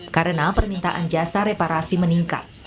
karena permintaan jasa reparasi meningkat